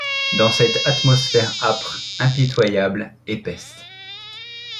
Dans cette atmosphère âpre, impitoyable, épaisse